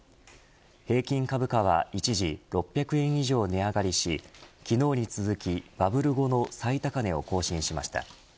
平均株価は一時６００円以上値上がりし昨日に続き、バブル後の最高値を更新しました。